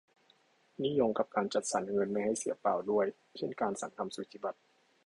นี่โยงกับการจัดสรรเงินให้ไม่เสียเปล่าด้วย เช่นการสั่งทำสูจิบัตร